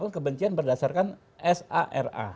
ujaran kebencian berdasarkan sara